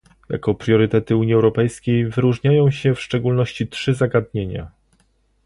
Jako priorytety Unii Europejskiej wyróżniają się w szczególności trzy zagadnienia